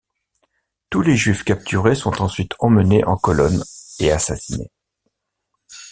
Tous les juifs capturés sont ensuite emmenés en colonnes et assassinés.